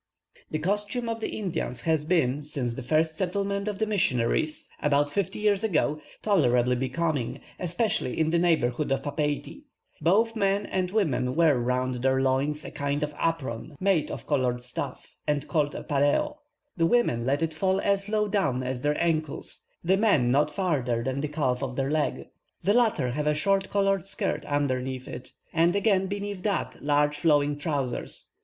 The costume of the Indians has been, since the first settlement of the missionaries (about fifty years ago), tolerably becoming, especially in the neighbourhood of Papeiti. Both men and women wear round their loins a kind of apron, made of coloured stuff, and called a pareo; the women let it fall as low down as their ancles; the men not farther than the calf of the leg. The latter have a short coloured shirt underneath it, and again beneath that, large flowing trousers.